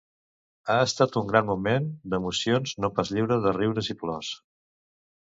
Ha estat un gran moment d'emocions, no pas lliure de riures i plors.